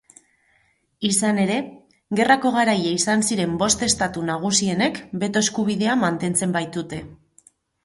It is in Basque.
Izan ere, Gerrako garaile izan ziren bost estatu nagusienek beto eskubidea mantentzen baitute.